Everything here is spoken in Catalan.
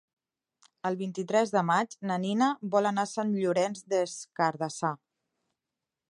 El vint-i-tres de maig na Nina vol anar a Sant Llorenç des Cardassar.